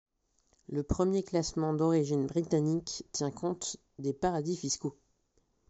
Le premier classement, d'origine britannique, tient compte des paradis fiscaux.